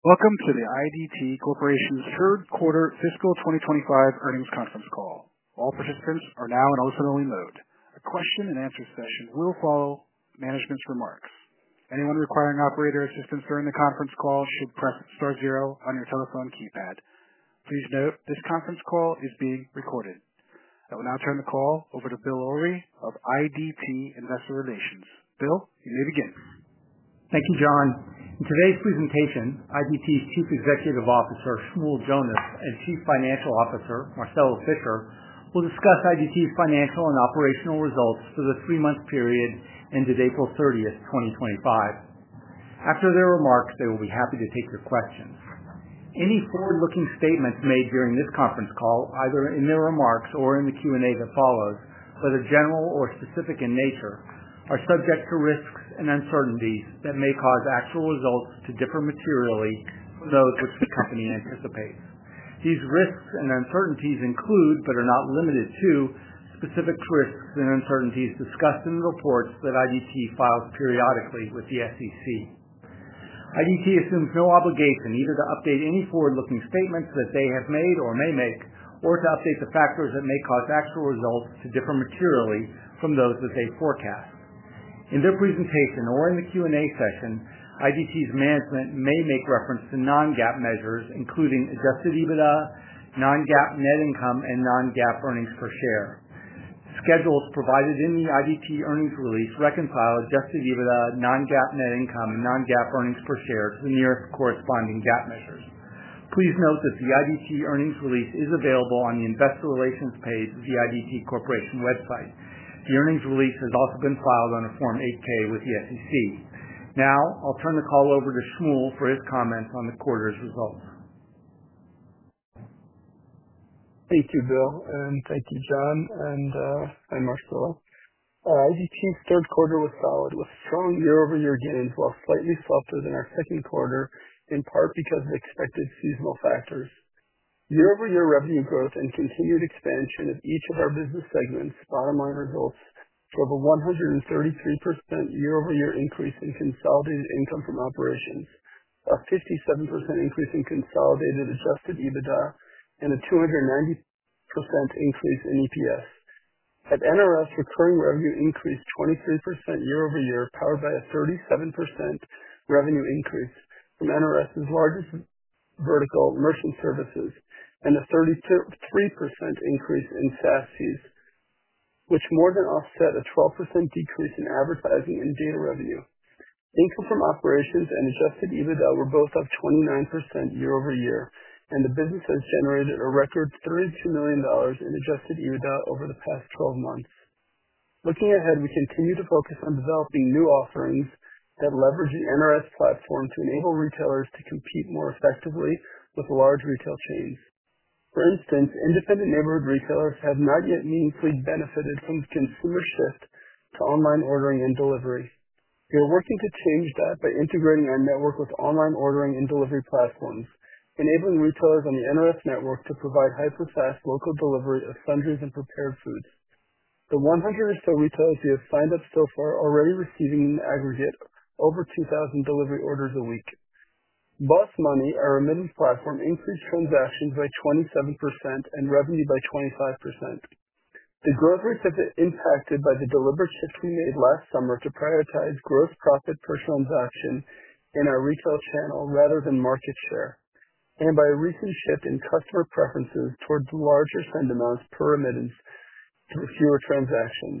Welcome to the IDT Corporation's third quarter fiscal 2025 earnings conference call. All participants are now in ultimate mode. A question-and-answer session will follow management's remarks. Anyone requiring operator assistance during the conference call should press star zero on your telephone keypad. Please note this conference call is being recorded. I will now turn the call over to Bill Ulrey of IDT Investor Relations. Bill, you may begin. Thank you, John. In today's presentation, IDT's Chief Executive Officer Shmuel Jonas and Chief Financial Officer Marcelo Fischer will discuss IDT's financial and operational results for the three-month period ended April 30th, 2025. After their remarks, they will be happy to take your questions. Any forward-looking statements made during this conference call, either in their remarks or in the Q&A that follows, whether general or specific in nature, are subject to risks and uncertainties that may cause actual results to differ materially from those which the company anticipates. These risks and uncertainties include, but are not limited to, specific risks and uncertainties discussed in the reports that IDT files periodically with the SEC. IDT assumes no obligation either to update any forward-looking statements that they have made or may make, or to update the factors that may cause actual results to differ materially from those that they forecast. In their presentation or in the Q&A session, IDT's management may make reference to non-GAAP measures, including adjusted EBITDA, non-GAAP net income, and non-GAAP earnings per share. Schedules provided in the IDT earnings release reconcile adjusted EBITDA, non-GAAP net income, and non-GAAP earnings per share to the nearest corresponding GAAP measures. Please note that the IDT earnings release is available on the Investor Relations page of the IDT Corporation website. The earnings release has also been filed on a Form 8-K with the SEC. Now, I'll turn the call over to Shmuel for his comments on the quarter's results. Thank you, Bill, and thank you, John, and Marcelo. IDT's third quarter was solid, with strong year-over-year gains while slightly softer than our second quarter, in part because of expected seasonal factors. Year-over-year revenue growth and continued expansion of each of our business segments' bottom-line results to over 133% year-over-year increase in consolidated income from operations, a 57% increase in consolidated adjusted EBITDA, and a 290% increase in EPS. At NRS, recurring revenue increased 23% year-over-year, powered by a 37% revenue increase from NRS's largest vertical, merchant services, and a 33% increase in SaaS fees, which more than offset a 12% decrease in advertising and data revenue. Income from operations and adjusted EBITDA were both up 29% year-over-year, and the business has generated a record $32 million in adjusted EBITDA over the past 12 months. Looking ahead, we continue to focus on developing new offerings that leverage the NRS platform to enable retailers to compete more effectively with large retail chains. For instance, independent neighborhood retailers have not yet meaningfully benefited from the consumer shift to online ordering and delivery. We are working to change that by integrating our network with online ordering and delivery platforms, enabling retailers on the NRS network to provide hyper-fast local delivery of sundries and prepared foods. The 100 or so retailers we have signed up so far are already receiving, in aggregate, over 2,000 delivery orders a week. BOSS Money, our remittance platform, increased transactions by 27% and revenue by 25%. The growth rates have been impacted by the deliberate shift we made last summer to prioritize gross profit per transaction in our retail channel rather than market share, and by a recent shift in customer preferences towards larger send amounts per remittance with fewer transactions.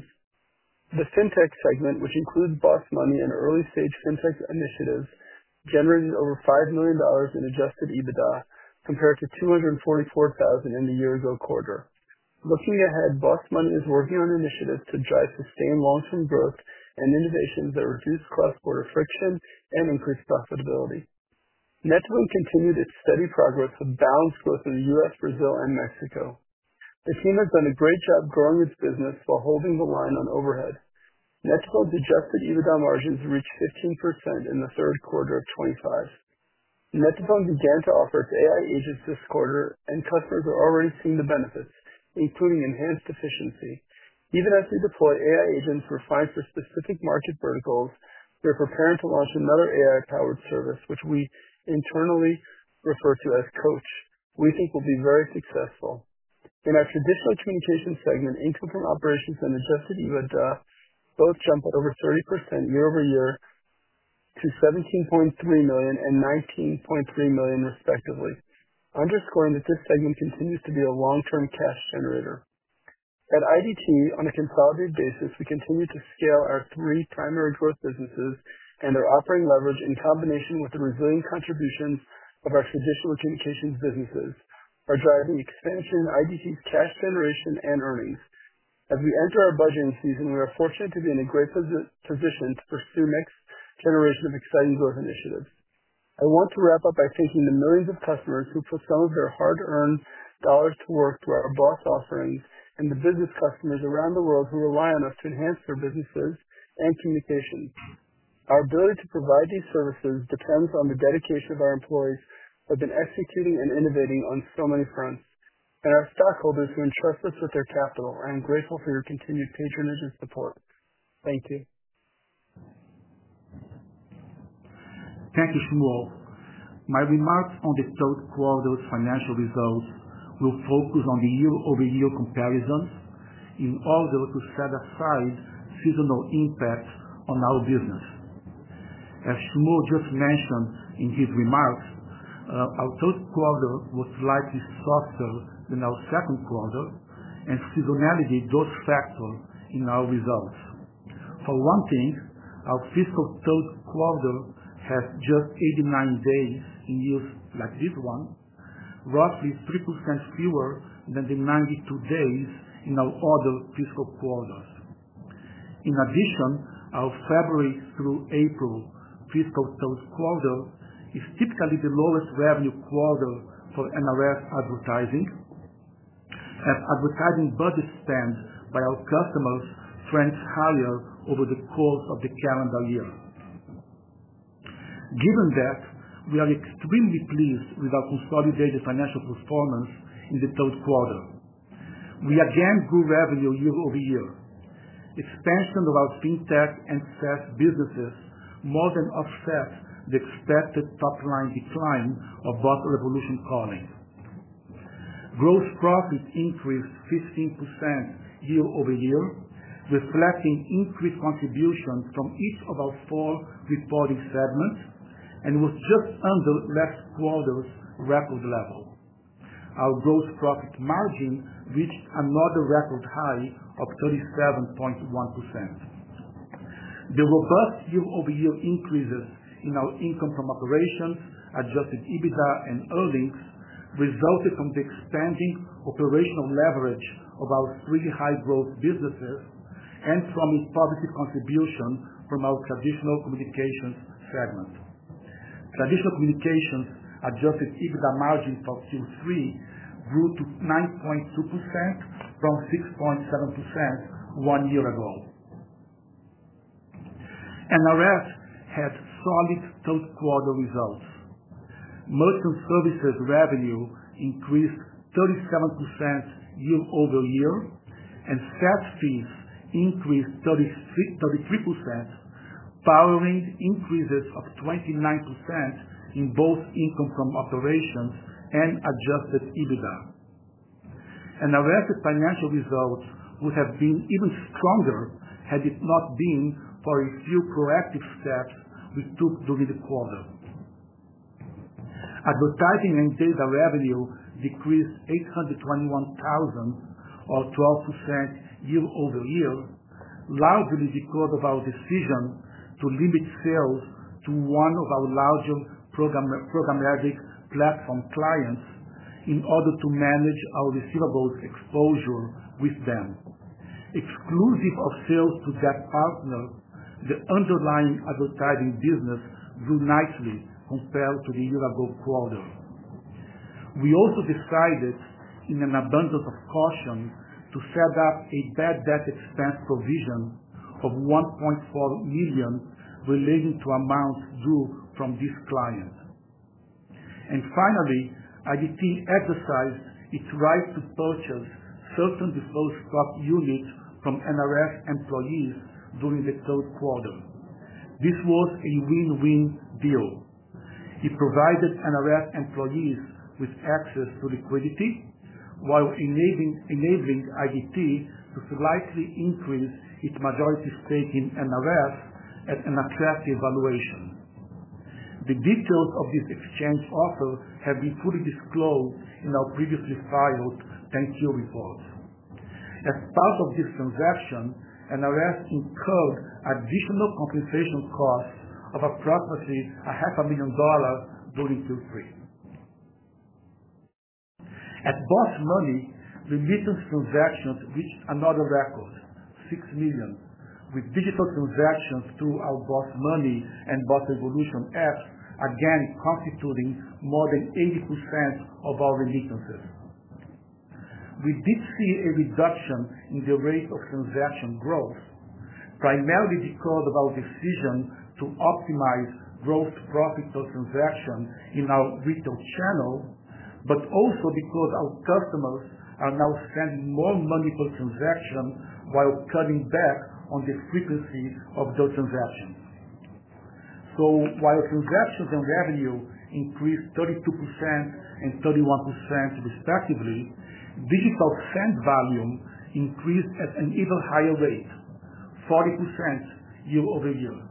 The fintech segment, which includes BOSS Money and early-stage fintech initiatives, generated over $5 million in adjusted EBITDA, compared to $244,000 in the year-ago quarter. Looking ahead, BOSS Money is working on initiatives to drive sustained long-term growth and innovations that reduce cross-border friction and increase profitability. Net2Phone continued its steady progress with balanced growth in the U.S., Brazil, and Mexico. The team has done a great job growing its business while holding the line on overhead. Net2Phone's adjusted EBITDA margins reached 15% in the third quarter of 2025. Net2Phone began to offer its AI agents this quarter, and customers are already seeing the benefits, including enhanced efficiency. Even as we deploy AI agents refined for specific market verticals, we're preparing to launch another AI-powered service, which we internally refer to as Coach. We think we'll be very successful. In our traditional communications segment, income from operations and adjusted EBITDA both jumped over 30% year-over-year to $17.3 million and $19.3 million, respectively, underscoring that this segment continues to be a long-term cash generator. At IDT, on a consolidated basis, we continue to scale our three primary growth businesses and their operating leverage in combination with the resilient contributions of our traditional communications businesses, are driving expansion, IDT's cash generation, and earnings. As we enter our budgeting season, we are fortunate to be in a great position to pursue the next generation of exciting growth initiatives. I want to wrap up by thanking the millions of customers who put some of their hard-earned dollars to work through our BOSS offerings and the business customers around the world who rely on us to enhance their businesses and communications. Our ability to provide these services depends on the dedication of our employees who have been executing and innovating on so many fronts, and our stockholders who entrust us with their capital. I am grateful for your continued patronage and support. Thank you. Thank you, Shmuel. My remarks on the third quarter's financial results will focus on the year-over-year comparisons in order to set aside seasonal impacts on our business. As Shmuel just mentioned in his remarks, our third quarter was slightly softer than our second quarter, and seasonality does factor in our results. For one thing, our fiscal third quarter has just 89 days in years like this one, roughly 3% fewer than the 92 days in our other fiscal quarters. In addition, our February through April fiscal third quarter is typically the lowest revenue quarter for NRS advertising, as advertising budgets spent by our customers trend higher over the course of the calendar year. Given that, we are extremely pleased with our consolidated financial performance in the third quarter. We again grew revenue year-over-year. Expansion of our fintech and SaaS businesses more than offsets the expected top-line decline of BOSS Revolution Calling. Gross profit increased 15% year-over-year, reflecting increased contributions from each of our four reporting segments, and was just under last quarter's record level. Our gross profit margin reached another record high of 37.1%. The robust year-over-year increases in our income from operations, adjusted EBITDA, and earnings resulted from the expanding operational leverage of our three high-growth businesses and from a positive contribution from our traditional communications segment. Traditional communications adjusted EBITDA margin for Q3 grew to 9.2% from 6.7% one year ago. NRS had solid third-quarter results. Merchant services revenue increased 37% year-over-year, and SaaS fees increased 33%, powering increases of 29% in both income from operations and adjusted EBITDA. NRS's financial results would have been even stronger had it not been for a few proactive steps we took during the quarter. Advertising and data revenue decreased $821,000, or 12% year-over-year, largely because of our decision to limit sales to one of our larger programmatic platform clients in order to manage our receivables exposure with them. Exclusive of sales to that partner, the underlying advertising business grew nicely compared to the year-ago quarter. We also decided, in an abundance of caution, to set up a bad debt expense provision of $1.4 million relating to amounts due from this client. Finally, IDT exercised its right to purchase certain deferred stock units from NRS employees during the third quarter. This was a win-win deal. It provided NRS employees with access to liquidity while enabling IDT to slightly increase its majority stake in NRS at an attractive valuation. The details of this exchange offer have been fully disclosed in our previously filed 8-K report. As part of this transaction, NRS incurred additional compensation costs of approximately $500,000 during Q3. At BOSS Money, remittance transactions reached another record, $6 million, with digital transactions through our BOSS Money and BOSS Revolution apps, again constituting more than 80% of our remittances. We did see a reduction in the rate of transaction growth, primarily because of our decision to optimize gross profit per transaction in our retail channel, but also because our customers are now spending more money per transaction while cutting back on the frequency of those transactions. While transactions and revenue increased 32% and 31%, respectively, digital send volume increased at an even higher rate, 40% year-over-year.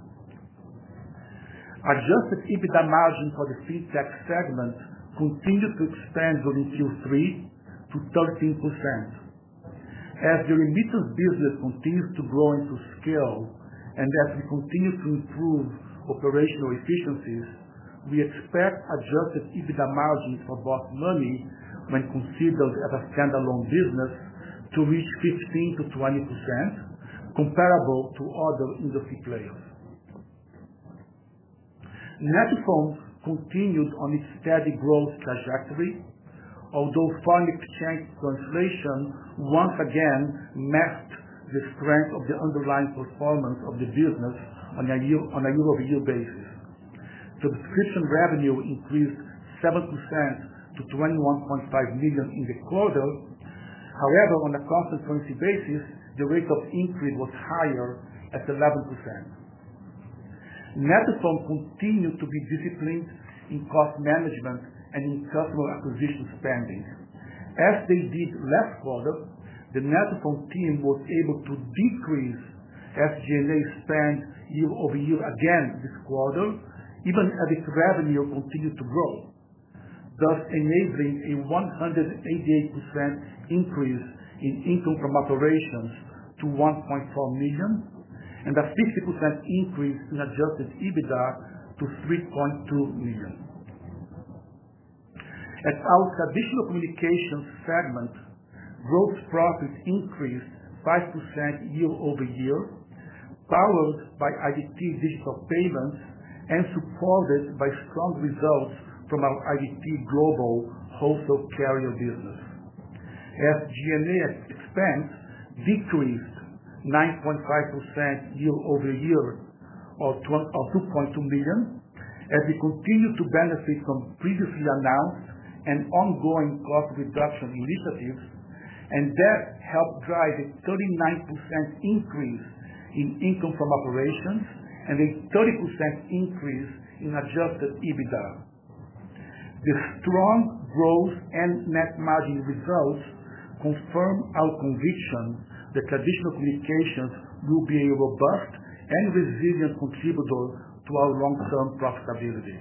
Adjusted EBITDA margin for the fintech segment continued to expand during Q3 to 13%. As the remittance business continues to grow into scale and as we continue to improve operational efficiencies, we expect adjusted EBITDA margins for Boss Money, when considered as a standalone business, to reach 15%-20%, comparable to other industry players. Net2Phone continued on its steady growth trajectory, although foreign exchange translation once again matched the strength of the underlying performance of the business on a year-over-year basis. Subscription revenue increased 7% to $21.5 million in the quarter. However, on a cost-and-quality basis, the rate of increase was higher at 11%. Net2Phone continued to be disciplined in cost management and in customer acquisition spending. As they did last quarter, the Net2Phone team was able to decrease SG&A spend year-over-year again this quarter, even as its revenue continued to grow, thus enabling a 188% increase in income from operations to $1.4 million and a 50% increase in adjusted EBITDA to $3.2 million. At our traditional communications segment, gross profit increased 5% year-over-year, powered by IDT Digital Payments and supported by strong results from our IDT Global wholesale carrier business. SG&A expense decreased 9.5% year-over-year, or $2.2 million, as we continued to benefit from previously announced and ongoing cost reduction initiatives, and that helped drive a 39% increase in income from operations and a 30% increase in adjusted EBITDA. The strong growth and net margin results confirm our conviction that traditional communications will be a robust and resilient contributor to our long-term profitability.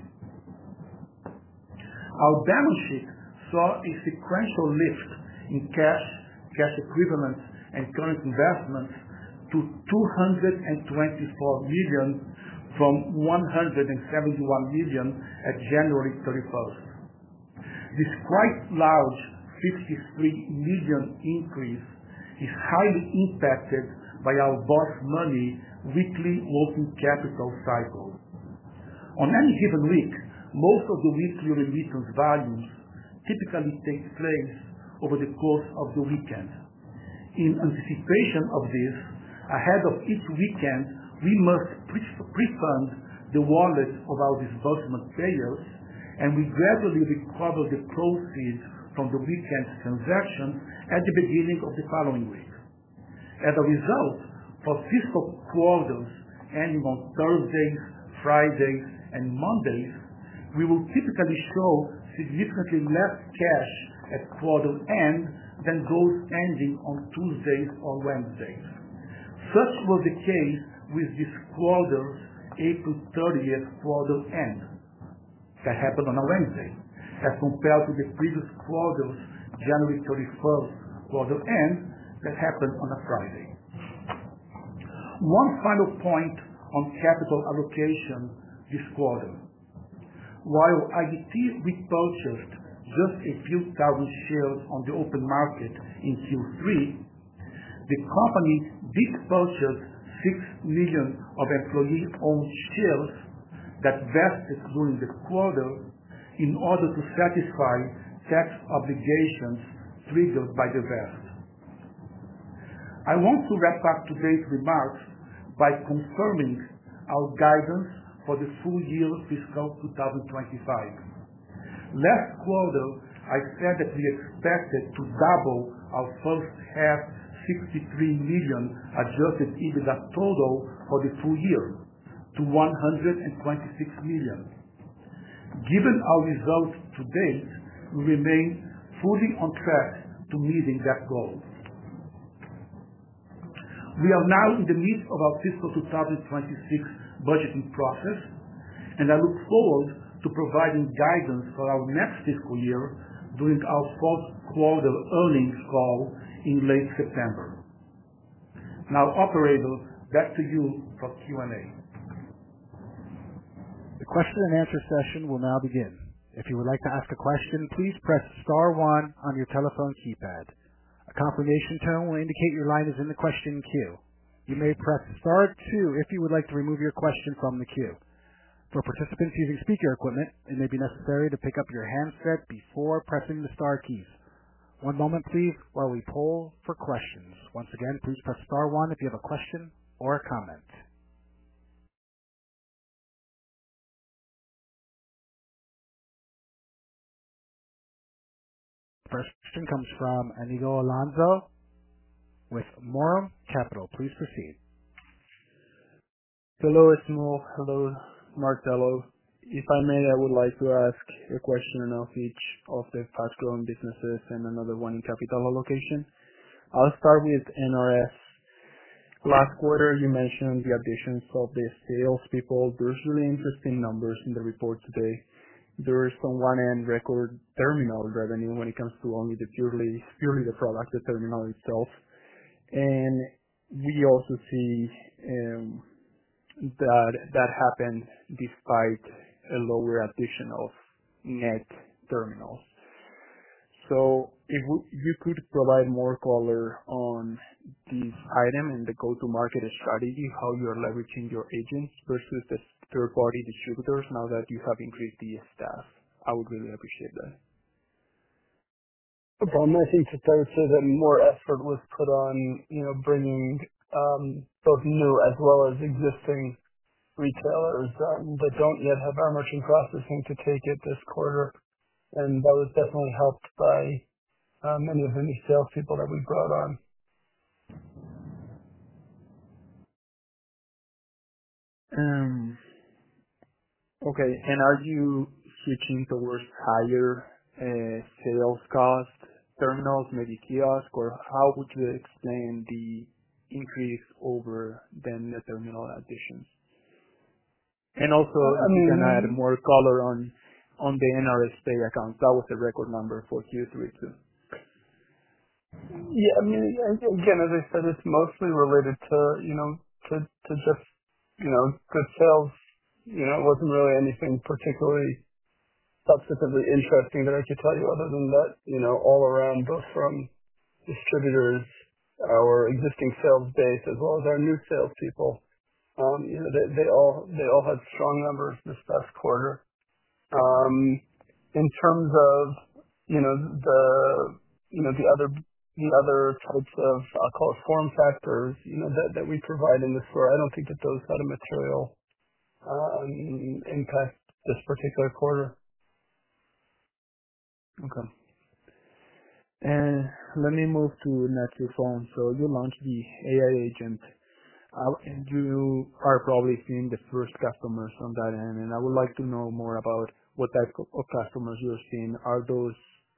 Our balance sheet saw a sequential lift in cash, cash equivalents, and current investments to $224 million from $171 million at January 31. This quite large $53 million increase is highly impacted by our BOSS Money weekly working capital cycle. On any given week, most of the weekly remittance volumes typically take place over the course of the weekend. In anticipation of this, ahead of each weekend, we must pre-fund the wallets of our disbursement payers, and we gradually recover the proceeds from the weekend's transactions at the beginning of the following week. As a result, for fiscal quarters ending on Thursdays, Fridays, and Mondays, we will typically show significantly less cash at quarter end than those ending on Tuesdays or Wednesdays. Such was the case with this quarter's April 30th quarter end that happened on a Wednesday, as compared to the previous quarter's January 31st quarter end that happened on a Friday. One final point on capital allocation this quarter: while IDT repurchased just a few thousand shares on the open market in Q3, the company did purchase 6 million of employee-owned shares that vested during the quarter in order to satisfy tax obligations triggered by the vest. I want to wrap up today's remarks by confirming our guidance for the full year fiscal 2025. Last quarter, I said that we expected to double our first half's $63 million adjusted EBITDA total for the full year to $126 million. Given our results to date, we remain fully on track to meeting that goal. We are now in the midst of our fiscal 2026 budgeting process, and I look forward to providing guidance for our next fiscal year during our fourth quarter earnings call in late September. Now, Operator, back to you for Q&A. The question-and-answer session will now begin. If you would like to ask a question, please press star one on your telephone keypad. A confirmation tone will indicate your line is in the question queue. You may press star two if you would like to remove your question from the queue. For participants using speaker equipment, it may be necessary to pick up your handset before pressing the star keys. One moment, please, while we poll for questions. Once again, please press star one if you have a question or a comment. First question comes from Iñigo Alonzo with Moram Capital. Please proceed. Hello, Shmuel. Hello, Marcelo. If I may, I would like to ask a question on each of the fast-growing businesses and another one in capital allocation. I'll start with NRS. Last quarter, you mentioned the additions of the salespeople. There are really interesting numbers in the report today. There is some one-end record terminal revenue when it comes to only the purely, purely the product, the terminal itself. And we also see that that happened despite a lower addition of net terminals. If you could provide more color on this item and the go-to-market strategy, how you are leveraging your agents versus the third-party distributors now that you have increased the staff, I would really appreciate that. I think to tell you that more effort was put on, you know, bringing, both new as well as existing retailers, that do not yet have our merchant processing to take it this quarter. That was definitely helped by many of the new salespeople that we brought on. Okay. Are you switching towards higher sales cost terminals, maybe kiosk, or how would you explain the increase over then the terminal additions? Also, if you can add more color on the NRS Pay accounts, that was the record number for Q3 too. Yeah. I mean, again, as I said, it's mostly related to, you know, just, you know, good sales. You know, it wasn't really anything particularly substantively interesting that I could tell you other than that, you know, all around, both from distributors, our existing sales base, as well as our new salespeople, you know, they all had strong numbers this past quarter. In terms of, you know, the other types of, I'll call it, form factors, you know, that we provide in the store, I don't think that those had a material impact this particular quarter. Okay. Let me move to Net2Phone. You launched the AI agent, and you are probably seeing the first customers on that end. I would like to know more about what type of customers you're seeing. Are those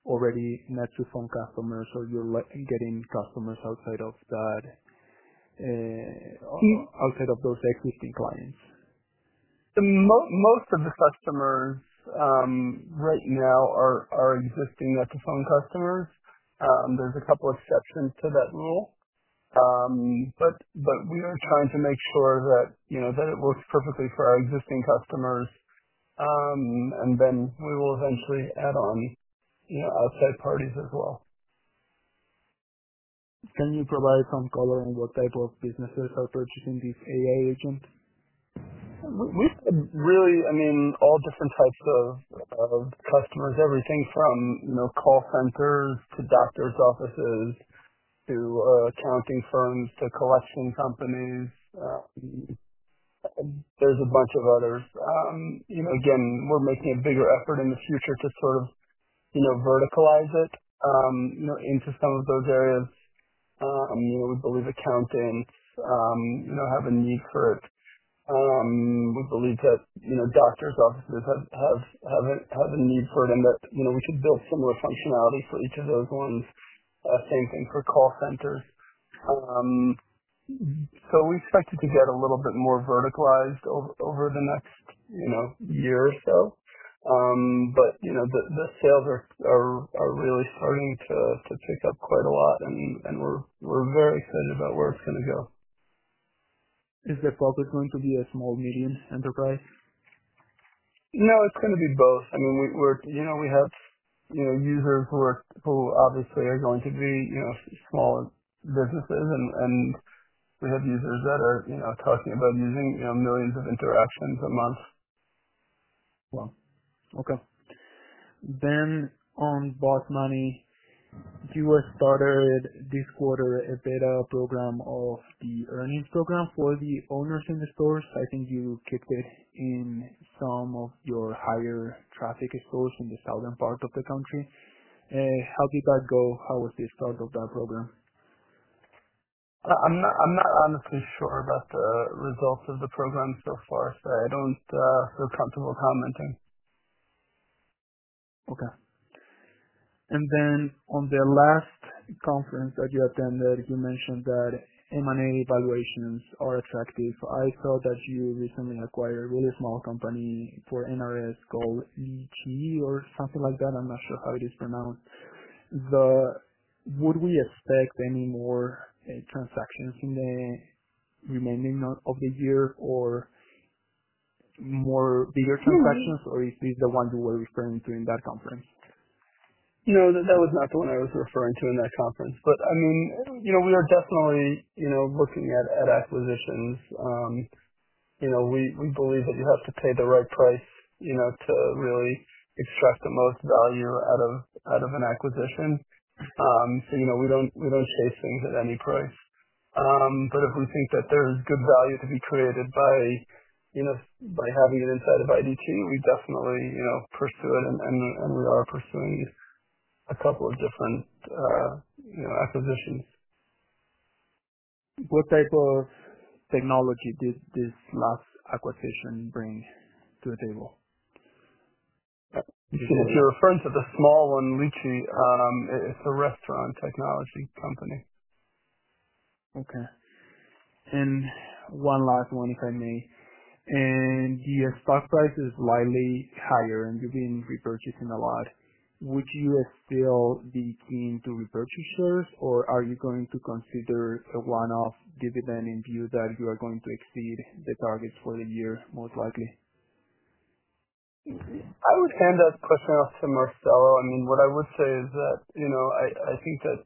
already Net2Phone customers, or you're getting customers outside of that, outside of those existing clients? Most of the customers right now are existing Net2Phone customers. There's a couple of exceptions to that rule, but we are trying to make sure that, you know, that it works perfectly for our existing customers. Then we will eventually add on, you know, outside parties as well. Can you provide some color on what type of businesses are purchasing these AI agents? We have really, I mean, all different types of customers, everything from, you know, call centers to doctors' offices to accounting firms to collection companies. There are a bunch of others. You know, again, we're making a bigger effort in the future to sort of, you know, verticalize it, you know, into some of those areas. You know, we believe accountants, you know, have a need for it. We believe that, you know, doctors' offices have a need for it and that, you know, we could build similar functionality for each of those ones. Same thing for call centers. We expect it to get a little bit more verticalized over the next, you know, year or so. You know, the sales are really starting to pick up quite a lot, and we're very excited about where it's gonna go. Is the focus going to be a small, medium enterprise? No, it's gonna be both. I mean, we have, you know, users who are, who obviously are going to be, you know, small businesses, and we have users that are, you know, talking about using, you know, millions of interactions a month. Wow. Okay. On BOSS Money, you started this quarter a beta program of the earnings program for the owners in the stores. I think you kicked it in some of your higher traffic stores in the southern part of the country. How did that go? How was the start of that program? I'm not honestly sure about the results of the program so far, so I don't feel comfortable commenting. Okay. And then on the last conference that you attended, you mentioned that M&A valuations are attractive. I saw that you recently acquired a really small company for NRS called Lichi or something like that. I'm not sure how it is pronounced. Would we expect any more transactions in the remaining of the year or more bigger transactions? No. Is this the one you were referring to in that conference? No, that was not the one I was referring to in that conference. I mean, you know, we are definitely, you know, looking at acquisitions. You know, we believe that you have to pay the right price, you know, to really extract the most value out of an acquisition. You know, we do not chase things at any price. If we think that there is good value to be created by having it inside of IDT, we definitely, you know, pursue it, and we are pursuing a couple of different acquisitions. What type of technology did this last acquisition bring to the table? If you're referring to the small one, Lichi, it's a restaurant technology company. Okay. One last one, if I may. Your stock price is slightly higher, and you have been repurchasing a lot. Would you still be keen to repurchase shares, or are you going to consider a one-off dividend in view that you are going to exceed the targets for the year, most likely? I would hand that question off to Marcelo. I mean, what I would say is that, you know, I think that,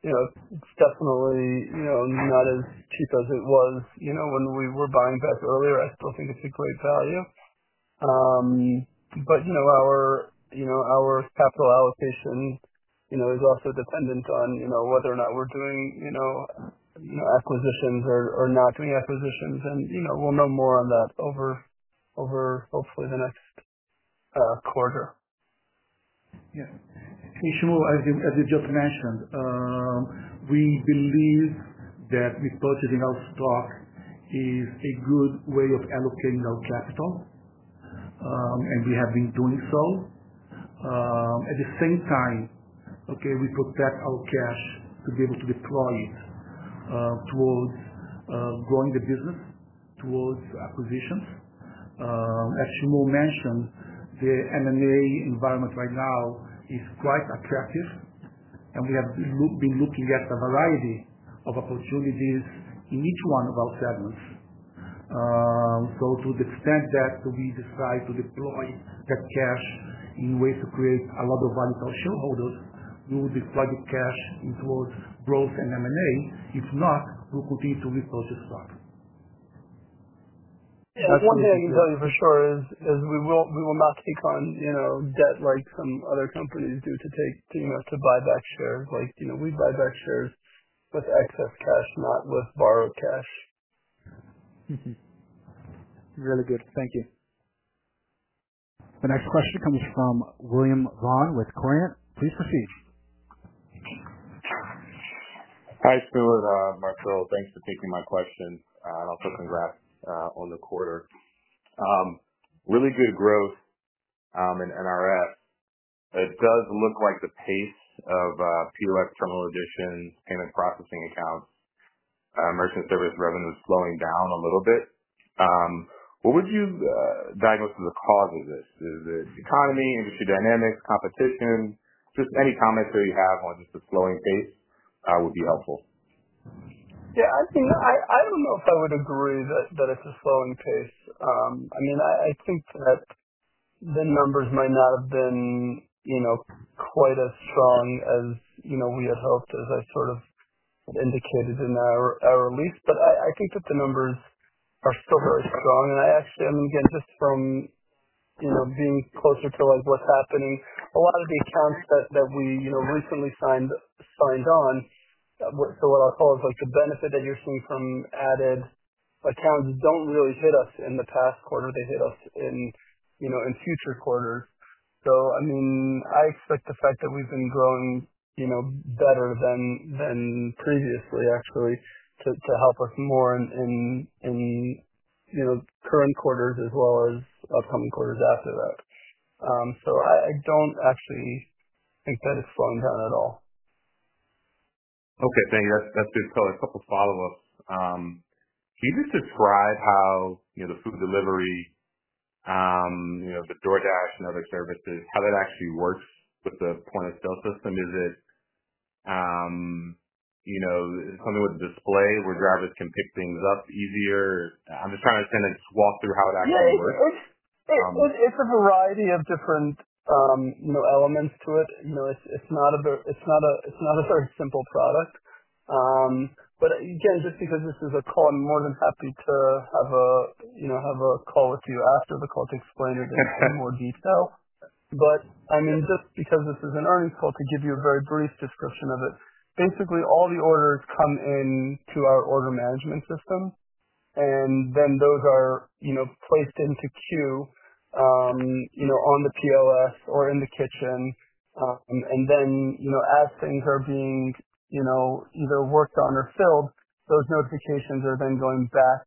you know, it is definitely, you know, not as cheap as it was, you know, when we were buying back earlier. I still think it is a great value. You know, our capital allocation, you know, is also dependent on, you know, whether or not we are doing, you know, acquisitions or not doing acquisitions. You know, we will know more on that over, over hopefully the next quarter. Yeah. Hey, Shmuel, as you just mentioned, we believe that repurchasing our stock is a good way of allocating our capital, and we have been doing so. At the same time, we protect our cash to be able to deploy it towards growing the business, towards acquisitions. As Shmuel mentioned, the M&A environment right now is quite attractive, and we have been looking at a variety of opportunities in each one of our segments. To the extent that we decide to deploy that cash in ways to create a lot of value for our shareholders, we will deploy the cash towards growth and M&A. If not, we'll continue to repurchase stock. Yeah. One thing I can tell you for sure is we will not take on, you know, debt like some other companies do to take, you know, to buy back shares. Like, you know, we buy back shares with excess cash, not with borrowed cash. Really good. Thank you. The next question comes from William Vaughan with Corient. Please proceed. Hi, Shmuel, Marcelo. Thanks for taking my question, and also congrats on the quarter. Really good growth in NRS. It does look like the pace of POS terminal additions, payment processing accounts, merchant service revenue is slowing down a little bit. What would you diagnose as the cause of this? Is it economy, industry dynamics, competition? Just any comments that you have on just the slowing pace would be helpful. Yeah. I think I, I don't know if I would agree that it's a slowing pace. I mean, I think that the numbers might not have been, you know, quite as strong as, you know, we had hoped, as I sort of indicated in our release. But I think that the numbers are still very strong. And I actually, I mean, again, just from, you know, being closer to, like, what's happening, a lot of the accounts that we, you know, recently signed on, what I'll call is, like, the benefit that you're seeing from added accounts don't really hit us in the past quarter. They hit us in, you know, in future quarters. I mean, I expect the fact that we've been growing, you know, better than previously, actually, to help us more in, you know, current quarters as well as upcoming quarters after that. I don't actually think that it's slowing down at all. Okay. Thank you. That's good. A couple of follow-ups. Can you just describe how, you know, the food delivery, you know, the DoorDash and other services, how that actually works with the point-of-sale system? Is it, you know, something with the display where drivers can pick things up easier? I'm just trying to kind of walk through how it actually works. Yeah. It, it's a variety of different, you know, elements to it. You know, it's not a very simple product. But again, just because this is a call, I'm more than happy to have a, you know, have a call with you after the call to explain it in more detail. I mean, just because this is an earnings call, to give you a very brief description of it, basically, all the orders come into our order management system, and then those are placed into queue, you know, on the POS or in the kitchen. And then, you know, as things are being, you know, either worked on or filled, those notifications are then going back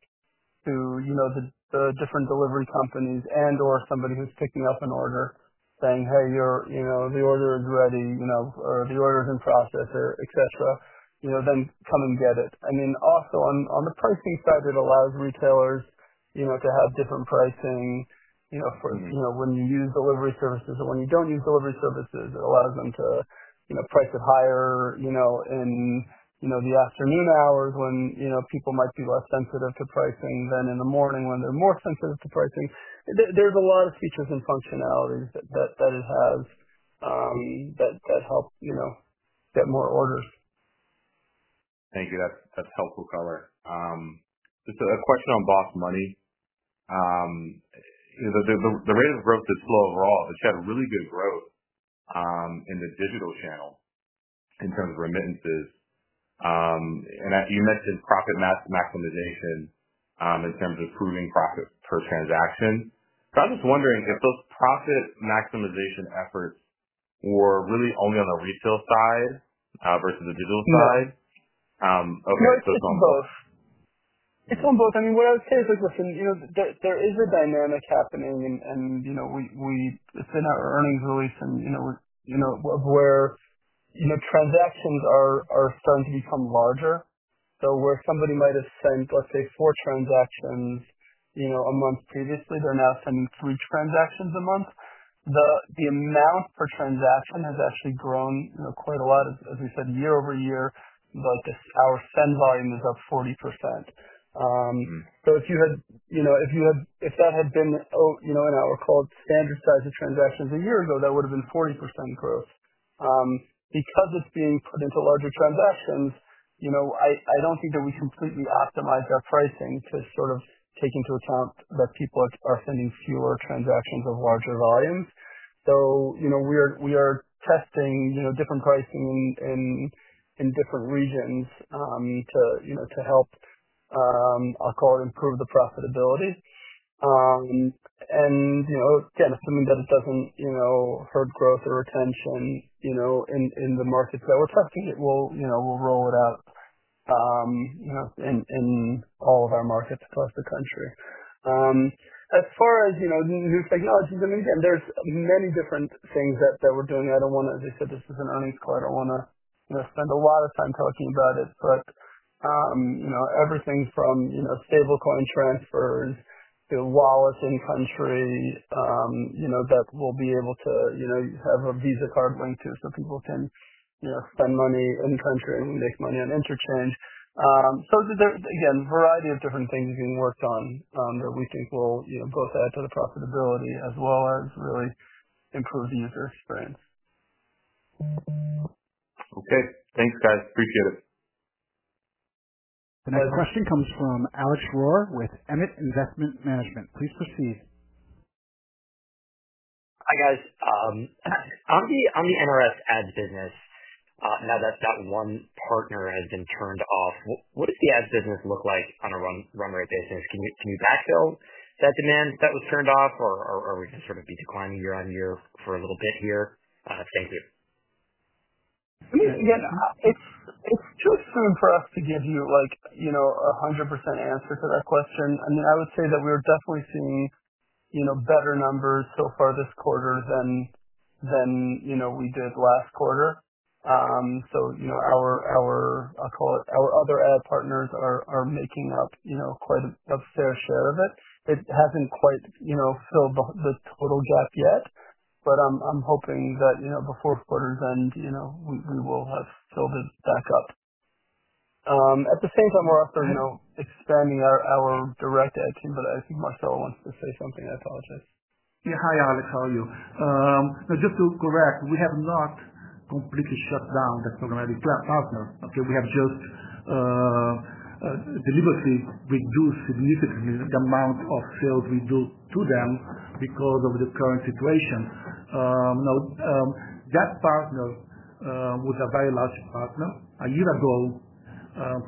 to, you know, the different delivery companies and/or somebody who's picking up an order saying, "Hey, your, you know, the order is ready," you know, or, "The order's in process," or etc., you know, then come and get it. I mean, also on the pricing side, it allows retailers, you know, to have different pricing, you know, for, you know, when you use delivery services or when you do not use delivery services. It allows them to, you know, price it higher, you know, in the afternoon hours when, you know, people might be less sensitive to pricing than in the morning when they're more sensitive to pricing. There are a lot of features and functionalities that it has that help, you know, get more orders. Thank you. That's helpful color. Just a question on BOSS Money. You know, the rate of growth is slow overall, but you had really good growth in the digital channel in terms of remittances. And you mentioned profit maximization in terms of improving profit per transaction. I was just wondering if those profit maximization efforts were really only on the retail side versus the digital side. Mm-hmm. Okay. So it's on both. It's on both. It's on both. I mean, what I would say is, listen, you know, there is a dynamic happening, and, you know, it's in our earnings release, and, you know, we're, you know, of where, you know, transactions are starting to become larger. So where somebody might have sent, let's say, four transactions a month previously, they're now sending three transactions a month. The amount per transaction has actually grown, you know, quite a lot, as we said, year over year. Like, our send volume is up 40%. Mm-hmm. If you had, you know, if that had been, oh, you know, in our call, standard size of transactions a year ago, that would have been 40% growth. Because it's being put into larger transactions, you know, I don't think that we completely optimized our pricing to sort of take into account that people are sending fewer transactions of larger volumes. You know, we are testing different pricing in different regions to, you know, to help, I'll call it, improve the profitability. You know, again, assuming that it doesn't, you know, hurt growth or retention in the markets that we're testing, it will, you know, we'll roll it out in all of our markets across the country. As far as, you know, new technologies, I mean, again, there are many different things that we're doing. I don't want to, as I said, this is an earnings call. I don't want to, you know, spend a lot of time talking about it, but, you know, everything from, you know, stablecoin transfers to wallet in-country, you know, that we'll be able to, you know, have a Visa card linked to so people can, you know, spend money in-country and make money on interchange. There, again, a variety of different things are being worked on that we think will, you know, both add to the profitability as well as really improve the user experience. Okay. Thanks, guys. Appreciate it. The next question comes from Alex Rohr with Emmett Investment Management. Please proceed. Hi, guys. On the, on the NRS ads business, now that that one partner has been turned off, what does the ads business look like on a runway business? Can you backfill that demand that was turned off, or are we just sort of be declining year on year for a little bit here? Thank you. I mean, again, it's too soon for us to give you, like, you know, a 100% answer to that question. I mean, I would say that we are definitely seeing, you know, better numbers so far this quarter than, you know, we did last quarter. You know, our, I'll call it our other ad partners are making up, you know, quite a fair share of it. It hasn't quite, you know, filled the total gap yet, but I'm hoping that, you know, before quarter's end, you know, we will have filled it back up. At the same time, we're also, you know, expanding our direct ad team, but I think Marcelo wants to say something. I apologize. Yeah. Hi, Alex. How are you? No, just to correct, we have not completely shut down the programmatic partner. Okay? We have just deliberately reduced significantly the amount of sales we do to them because of the current situation. Now, that partner was a very large partner. A year ago,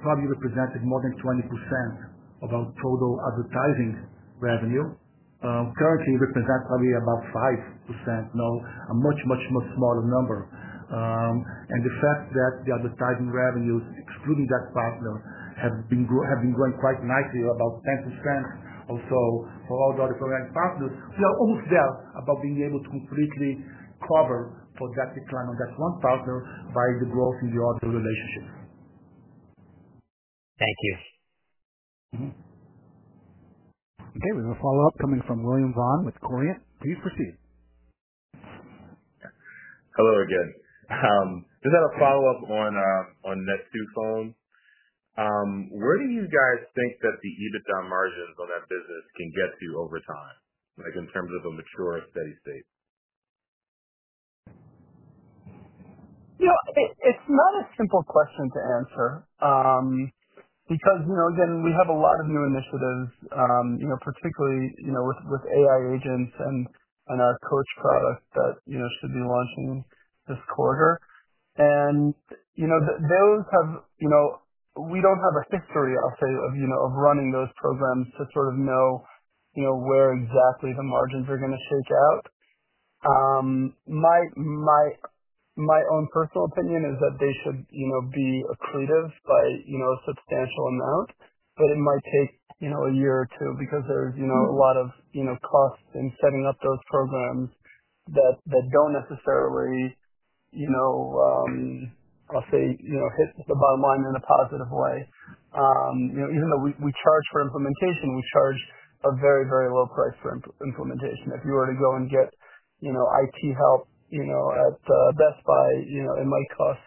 probably represented more than 20% of our total advertising revenue. Currently, it represents probably about 5%. Now, a much, much, much smaller number. The fact that the advertising revenues, excluding that partner, have been growing quite nicely, about 10% or so for all the other programmatic partners, we are almost there about being able to completely cover for that decline on that one partner by the growth in the other relationships. Thank you. Mm-hmm. Okay. We have a follow-up coming from William Vaughan with Corient. Please proceed. Hello, again. Just had a follow-up on, on Net2Phone. Where do you guys think that the EBITDA margins on that business can get to over time, like, in terms of a mature, steady state? You know, it is not a simple question to answer, because, you know, again, we have a lot of new initiatives, you know, particularly, you know, with AI agents and our Coach product that, you know, should be launching this quarter. You know, those have, you know, we do not have a history, I will say, of running those programs to sort of know, you know, where exactly the margins are gonna shake out. My own personal opinion is that they should, you know, be accretive by, you know, a substantial amount, but it might take, you know, a year or two because there is, you know, a lot of, you know, costs in setting up those programs that do not necessarily, you know, I will say, hit the bottom line in a positive way. You know, even though we charge for implementation, we charge a very, very low price for implementation. If you were to go and get, you know, IT help at Best Buy, it might cost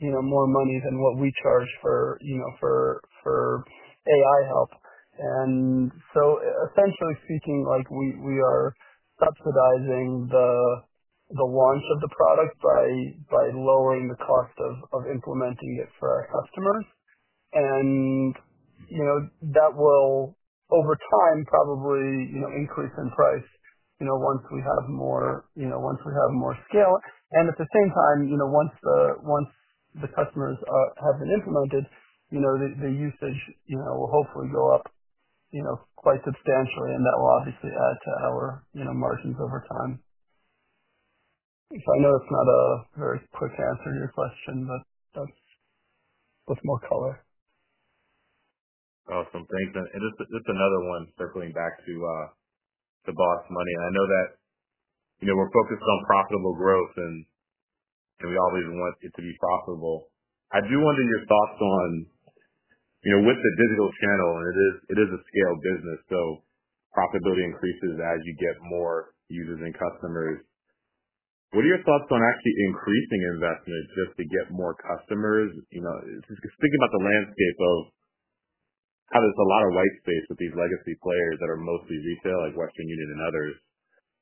more money than what we charge for AI help. Essentially speaking, we are subsidizing the launch of the product by lowering the cost of implementing it for our customers. That will, over time, probably increase in price once we have more scale. At the same time, once the customers have been implemented, the usage will hopefully go up quite substantially, and that will obviously add to our margins over time. I know that's not a very quick answer to your question, but that's more color. Awesome. Thanks. Just another one circling back to BOSS Money. I know that, you know, we're focused on profitable growth, and we always want it to be profitable. I do want to know your thoughts on, you know, with the digital channel, and it is a scaled business, so profitability increases as you get more users and customers. What are your thoughts on actually increasing investment just to get more customers? You know, just thinking about the landscape of how there's a lot of white space with these legacy players that are mostly retail, like Western Union and others.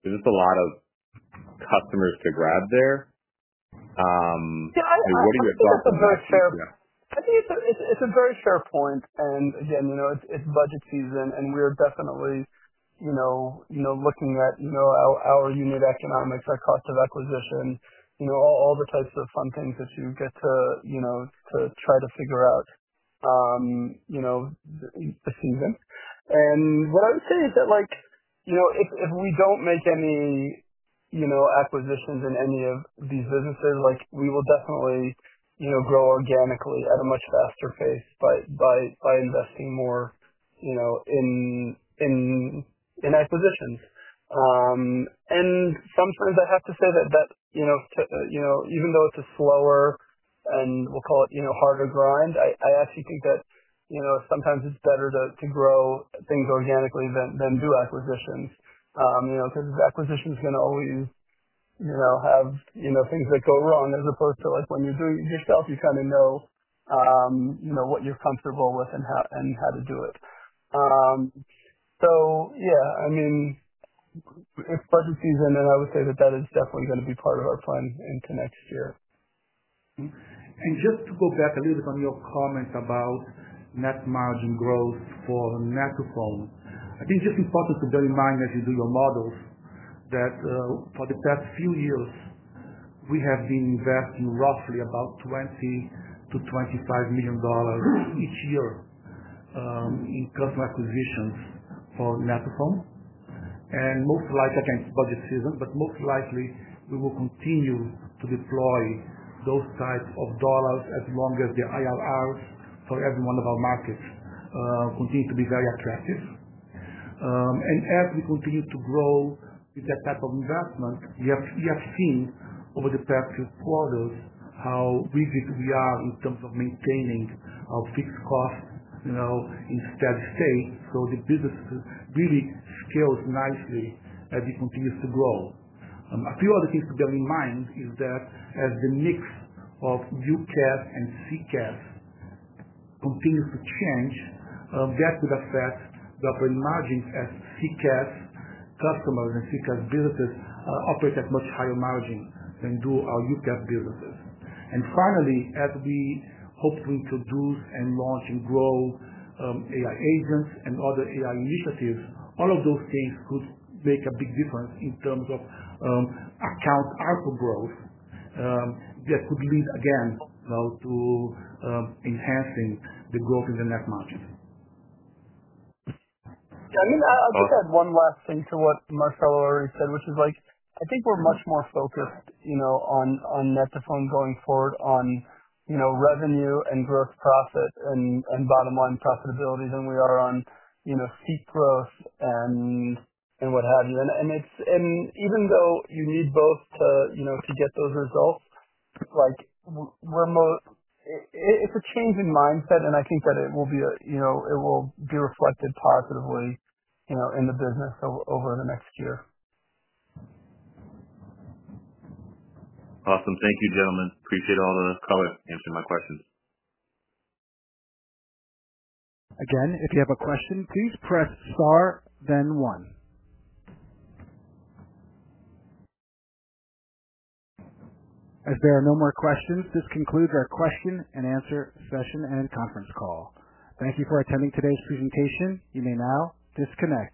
Is this a lot of customers to grab there? Yeah. I mean, I think that's a very fair. Yeah. I think it's a very fair point. Again, you know, it's budget season, and we are definitely, you know, looking at our unit economics, our cost of acquisition, all the types of fun things that you get to try to figure out the season. What I would say is that, like, you know, if we don't make any acquisitions in any of these businesses, we will definitely grow organically at a much faster pace by investing more in acquisitions. And sometimes I have to say that, you know, even though it is a slower and, we'll call it, harder grind, I actually think that sometimes it is better to grow things organically than do acquisitions, because acquisitions are always going to have things that go wrong as opposed to when you are doing it yourself, you kind of know what you are comfortable with and how to do it. Yeah, I mean, it is budget season, and I would say that is definitely going to be part of our plan into next year. Just to go back a little bit on your comment about net margin growth for Net2Phone, I think it's just important to bear in mind as you do your models that, for the past few years, we have been investing roughly about $20 million-$25 million each year, in customer acquisitions for Net2Phone. Most likely, again, it's budget season, but most likely we will continue to deploy those types of dollars as long as the IRRs for every one of our markets continue to be very attractive. As we continue to grow with that type of investment, we have seen over the past few quarters how rigid we are in terms of maintaining our fixed cost, you know, in steady state. The business really scales nicely as it continues to grow. A few other things to bear in mind is that as the mix of UCaaS and CCaaS continues to change, that could affect the operating margins as CCaaS customers and CCaaS businesses operate at much higher margin than do our UCaaS businesses. Finally, as we hope to introduce and launch and grow AI agents and other AI initiatives, all of those things could make a big difference in terms of account output growth, that could lead, again, you know, to enhancing the growth in the net margin. Yeah. I mean, I'll just add one last thing to what Marcelo already said, which is, like, I think we're much more focused, you know, on, on Net2Phone going forward on, you know, revenue and gross profit and, and bottom line profitability than we are on, you know, seat growth and, and what have you. It's, and even though you need both to, you know, to get those results, like, it's a change in mindset, and I think that it will be, you know, it will be reflected positively, you know, in the business over the next year. Awesome. Thank you, gentlemen. Appreciate all the cover answering my questions. Again, if you have a question, please press star, then one. As there are no more questions, this concludes our question and answer session and conference call. Thank you for attending today's presentation. You may now disconnect.